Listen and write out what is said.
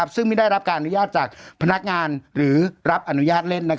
ซึ่งไม่ได้รับการอนุญาตจากพนักงานหรือรับอนุญาตเล่น